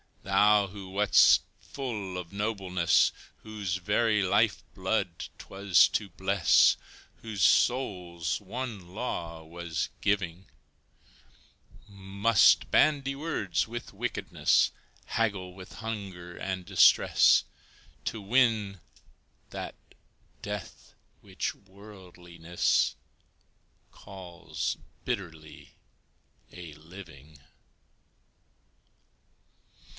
Thou, who wast full of nobleness, Whose very life blood 'twas to bless, Whose soul's one law was giving, Must bandy words with wickedness, Haggle with hunger and distress, To win that death which worldliness Calls bitterly a living.